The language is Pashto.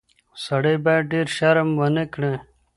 سړی باید ډیر شرم ونه کړي.